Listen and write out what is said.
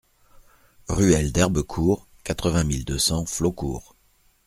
Ruelle d'Herbecourt, quatre-vingt mille deux cents Flaucourt